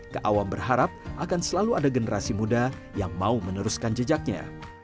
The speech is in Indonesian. keawam berharap akan selalu ada generasi muda yang mau meneruskan jejaknya